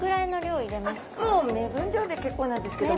あっもう目分量で結構なんですけども。